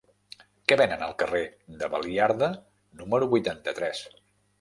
Què venen al carrer de Baliarda número vuitanta-tres?